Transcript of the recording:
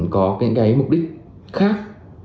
có những cái mục đích khác